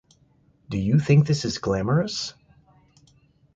Do you think this is glamorous?